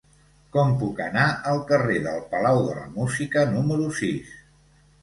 Com puc anar al carrer del Palau de la Música número sis?